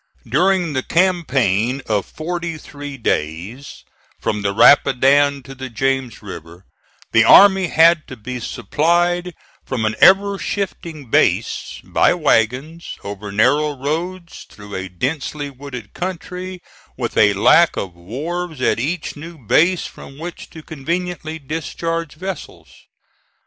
During the campaign of forty three days, from the Rapidan to the James River, the army had to be supplied from an ever shifting base, by wagons, over narrow roads, through a densely wooded country, with a lack of wharves at each new base from which to conveniently discharge vessels.